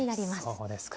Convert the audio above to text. そうですか。